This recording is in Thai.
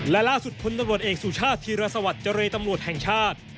และล่าสุดพนตรเอกสุชาธิรสวรรค์จริยตำรวจแห่งชาติ